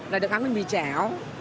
là được ăn bánh mì chảo